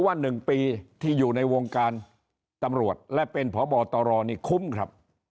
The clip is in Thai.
ว่า๑ปีที่อยู่ในวงการตำรวจและเป็นพบตรนี่คุ้มครับ